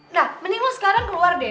nah mending lo sekarang keluar deh